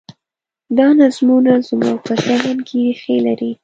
دا نظمونه زموږ په ذهن کې رېښې لري.